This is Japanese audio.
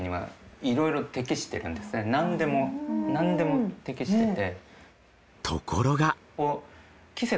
何でも何でも適してて。